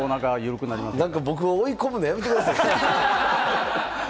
僕を追い込むのやめてください！